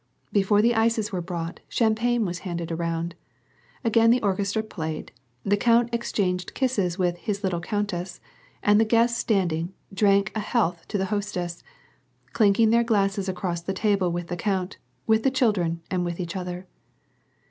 Before the ices were brought, champagne was handed around. Again the orchestra played, the count exchanged kisses with his " little countess," and the guests standing, drank a health to the hostess, clinking their glasses across the table with the count, with the children, and with each other.